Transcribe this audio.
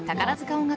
音楽